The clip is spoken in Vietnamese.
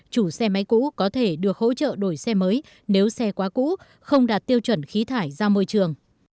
chủ xe máy cũ có thể được hỗ trợ đổi xe mới nếu xe quá cũ không đạt tiêu chuẩn khí thải ra môi trường